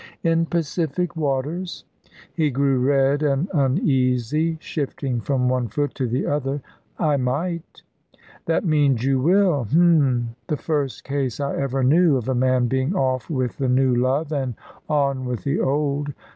"In Pacific waters?" He grew red and uneasy, shifting from one foot to the other. "I might." "That means, you will. H'm! The first case I ever knew of a man being off with the new love and on with the old.